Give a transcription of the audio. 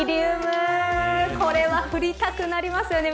これは振りたくなりますよね